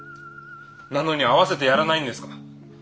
なのに会わせてやらないんですか？